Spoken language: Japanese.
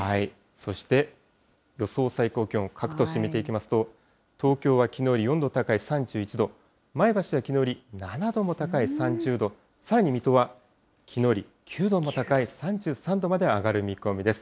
そして、予想最高気温、各都市見ていきますと、東京はきのうより４度高い３１度、前橋はきのうより７度も高い３０度、さらに水戸はきのうより９度も高い３３度まで上がる見込みです。